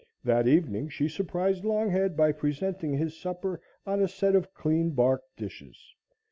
That evening she surprised Longhead by presenting his supper on a set of clean bark dishes.